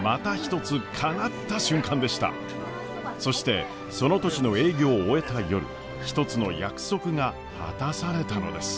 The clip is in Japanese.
そしてその年の営業を終えた夜一つの約束が果たされたのです。